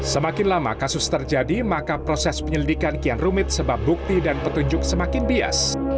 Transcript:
semakin lama kasus terjadi maka proses penyelidikan kian rumit sebab bukti dan petunjuk semakin bias